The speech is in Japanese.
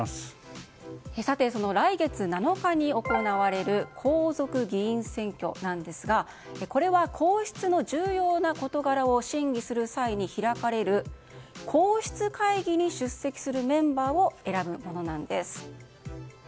来月７日に行われる皇族議員選挙なんですがこれは皇室の重要な事柄を審議する際に開かれる皇室会議に出席するメンバーを選ぶものなんです。